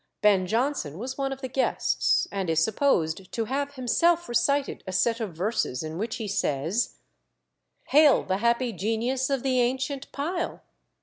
Ben Jonson was one of the guests, and is supposed to have himself recited a set of verses, in which he says "Hail th' happy genius of the ancient pile!